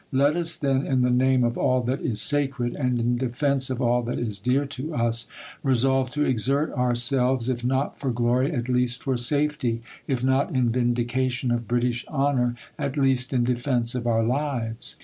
Let us, then, in the name of all that is sacred, and in defence of all that is dear to us, resolve to exert ourselves, if not for glory, at least for safety ; if not in vindication of British honor, at least in defence of our lives.